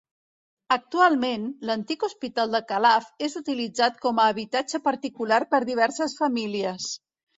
Actualment, l'antic hospital de Calaf és utilitzat com a habitatge particular per diverses famílies.